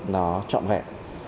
nó trọng vẹn